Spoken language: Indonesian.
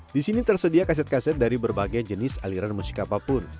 di sini tersedia kaset kaset dari berbagai jenis aliran musik apapun